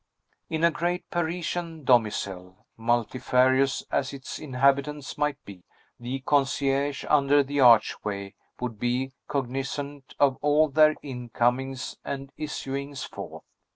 In a great Parisian domicile, multifarious as its inhabitants might be, the concierge under the archway would be cognizant of all their incomings and issuings forth.